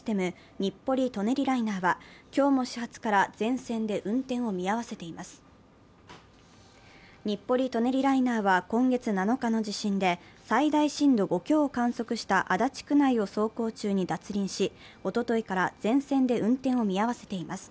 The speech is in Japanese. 日暮里・舎人ライナーは今月７日の地震で最大震度５強を観測した足立区内を走行中に脱輪しおとといから全線で運転を見合わせています。